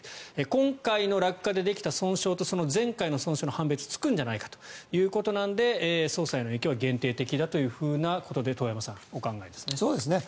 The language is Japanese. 今回の落下でできた損傷とその前回の損傷の判別はつくんじゃないかということで捜査への影響は限定的だと遠山さん、お考えですね。